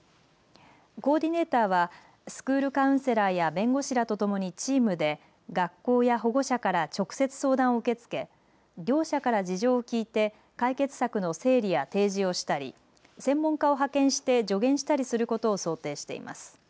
コーディネーターはスクールカウンセラーや弁護士らとともにチームで学校や保護者から直接相談を受け付け両者から事情を聞いて解決策の整理や提示をしたり専門家を派遣して助言したりすることを想定しています。